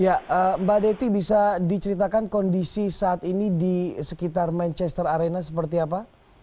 ya mbak dety bisa diceritakan kondisi saat ini di sekitar manchester arena seperti apa